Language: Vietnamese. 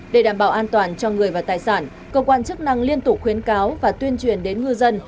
để đảm bảo an toàn cho người và tài sản cơ quan chức năng liên tục khuyến cáo và tuyên truyền đến ngư dân